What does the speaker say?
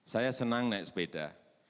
saya senang naik sepeda